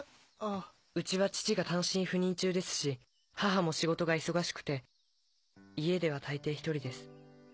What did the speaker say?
うちは父が単身赴任中ですし母も仕事が忙しくて家では大抵１人です。